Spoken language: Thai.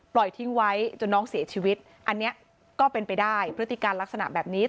ทิ้งไว้จนน้องเสียชีวิตอันนี้ก็เป็นไปได้พฤติการลักษณะแบบนี้